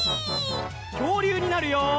きょうりゅうになるよ！